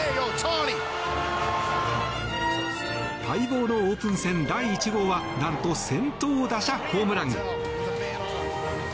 待望のオープン戦第１号は何と、先頭打者ホームラン。